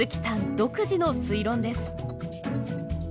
独自の推論です。